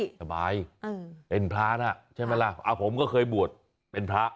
สบายเป็นพระน่ะใช่ไหมล่ะผมก็เคยบวชเป็นพระ